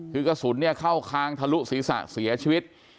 คือกระสุนเนี่ยเข้าคางทะลุศีรษะเสียชีวิต